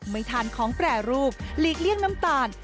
ไม่ทานของแปรรูปหลีกเลี่ยงน้ำตาล